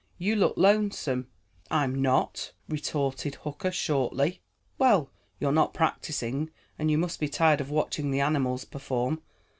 "You look lonesome." "I'm not," retorted Hooker shortly. "Well, you're not practicing, and you must be tired of watching the animals perform.